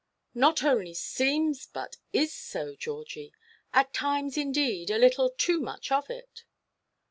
"Not only seems but is so, Georgie; at times, indeed, a little too much of it."